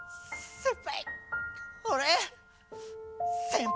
先輩